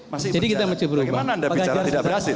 masih berjalan bagaimana anda bicara tidak berhasil